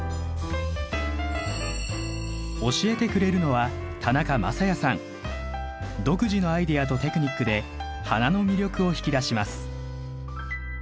教えてくれるのは独自のアイデアとテクニックで花の魅力を引き出します。